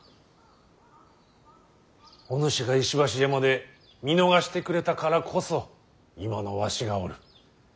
おぬしが石橋山で見逃してくれたからこそ今のわしがおる。